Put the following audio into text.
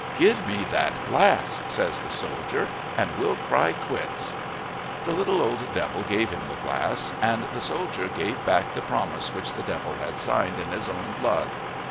"Give me that glass," says the soldier, "and we'll cry quits." The little old devil gave him the glass. And the soldier gave back the promise which the devil had signed in his own blood.